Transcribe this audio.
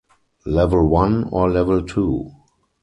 Level one or level two?